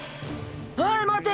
おいまて。